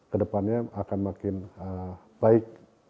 kedepannya akan makin baik